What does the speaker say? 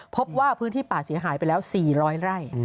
พบว่าพื้นที่ป่าเสียหายไปแล้ว๔๐๐ไร่